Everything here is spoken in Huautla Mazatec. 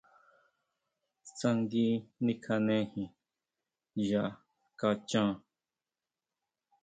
Tsangui nikjanejin ya kaxhan.